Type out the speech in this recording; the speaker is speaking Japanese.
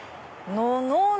「ののの」